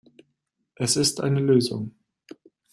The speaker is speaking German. Es ist eine Lösung.